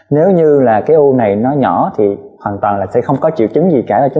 nếu như là cái u này nó nhỏ thì hoàn toàn là sẽ không có triệu chứng gì cả